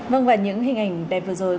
vâng và những hình ảnh đẹp vừa rồi